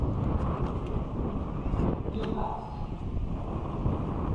Dúchas.